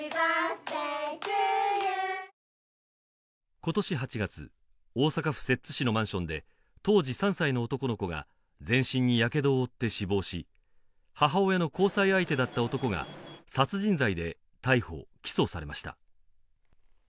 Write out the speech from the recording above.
今年８月大阪府摂津市のマンションで当時３歳の男の子が全身にやけどを負って死亡し母親の交際相手だった男が殺人罪で逮捕起訴されました